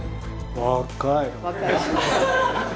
若い！